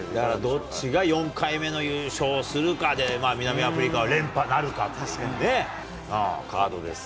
どっちが４回目の優勝をするかで、南アフリカは連覇になるかというね、カードですよ。